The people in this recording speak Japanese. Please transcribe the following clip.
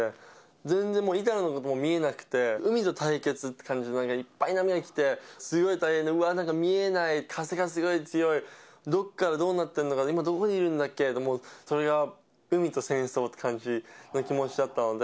全然もう、板なんかも見えなくて、海の対決って感じのいっぱい波が来て、すごい大変で、うわー、なんか見えない、風がすごい強い、どこからどうなってるのか、今、どこにいるんだっけとか、それが海と戦争って感じの気持ちだったので。